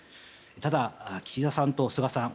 ただ、岸田さんと菅さん